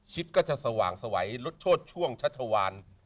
ก็จะสว่างสวัยลดโทษช่วงชัชวาน